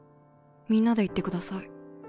みんなで行ってください。